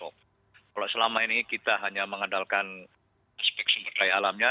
kalau selama ini kita hanya mengandalkan aspek sumber daya alamnya